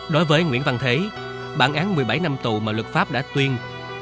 đối với nguyễn văn thế bản án một mươi bảy năm tù mà luật pháp đã tuyên